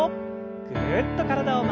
ぐるっと体を回して。